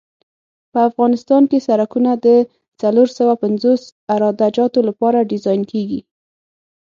په افغانستان کې سرکونه د څلور سوه پنځوس عراده جاتو لپاره ډیزاین کیږي